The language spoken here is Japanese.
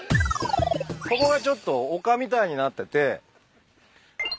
ここがちょっと丘みたいになってて。